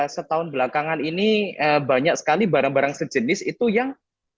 setahun belakangan ini banyak sekali barang barang sejenis itu yang